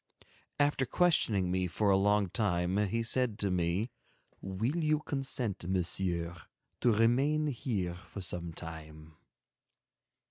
After questioning me for a long time, he said to me: "Will you consent, Monsieur, to remain here for some time?"